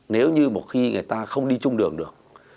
nếu như một khi người ta không đi chung đường được